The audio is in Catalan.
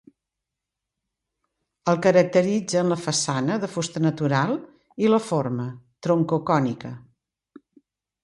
El caracteritzen la façana, de fusta natural, i la forma, troncocònica.